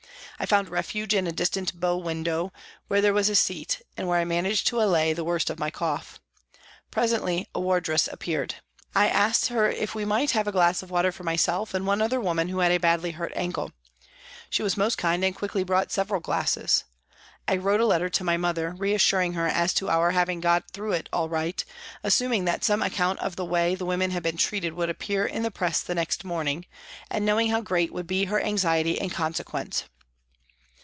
I found refuge in a distant bow window where there was a seat, and where I managed to allay the worst of my cough. Presently a wardress appeared. I asked her if we might have a glass of water for myself and one other woman who had a badly hurt ankle. She was most kind and quickly brought several glasses. I wrote a letter to my mother, reassuring her as to our having got through all right, assuming that some account of the way the women had been treated would appear in the press the next morning, and knowing how great would be her anxiety in consequence.